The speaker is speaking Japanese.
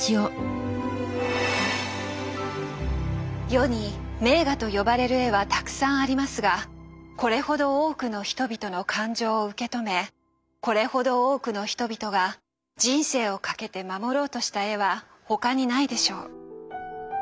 世に名画と呼ばれる絵はたくさんありますがこれほど多くの人々の感情を受け止めこれほど多くの人々が人生を懸けて守ろうとした絵は他にないでしょう。